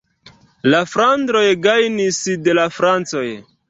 La flandroj gajnis de la francoj.